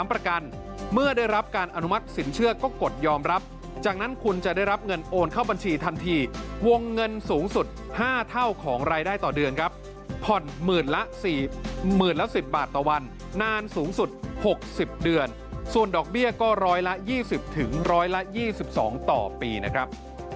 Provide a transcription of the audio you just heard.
ผ่อน๑๐๐๐๐ละสี่๑๐๐๐๐๐ละ๑๐บาทตัววันนานสูงสุด๖๐เดือนส่วนดอกเบี้ยก็ร้อยละ๒๐ถึงร้อยละ๒๒ต่อปีนะครับ